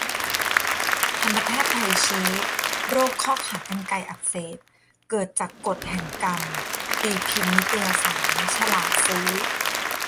ทันตแพทย์ไทยชี้ "โรคข้อขากรรไกรอักเสบ เกิดจากกฎแห่งกรรม" ตีพิมพ์นิตยสาร 'ฉลาดซื้อ'